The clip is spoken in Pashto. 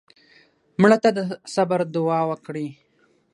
مړه ته د صبر دوعا وکړې